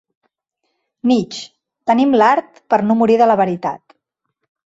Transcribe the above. Nietzsche: tenim l'art per no morir de la veritat.